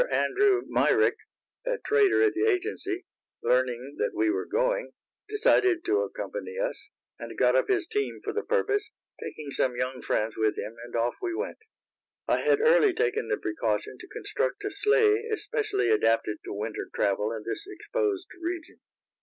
Andrew Myrick, a trader at the agency, learning that we were going, decided to accompany us, and got up his team for the purpose, taking some young friends with him, and off we went. I had early taken the precaution to construct a sleigh especially adapted to winter travel in this exposed region.